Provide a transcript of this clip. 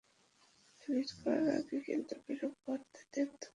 Delete করার আগে কিন্তু প্রেরক বার্তা দেখতে পারবেন হ্যাঁ, ঠিকই পড়েছেন।